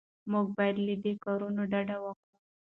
موږ باید له دې کارونو ډډه وکړو.